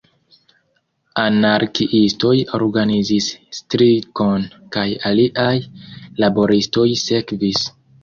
Anarkiistoj organizis strikon kaj aliaj laboristoj sekvis.